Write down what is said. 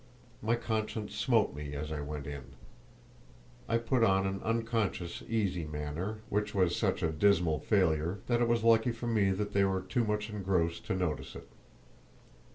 My conscience smote me as I went in. I put on an unconscious, easy manner, which was such a dismal failure that it was lucky for me that they were too much engrossed to notice it.